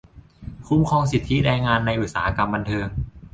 - คุ้มครองสิทธิแรงงานในอุตสาหกรรมบันเทิง